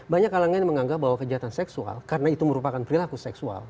banyak kalangan yang menganggap bahwa kejahatan seksual karena itu merupakan perilaku seksual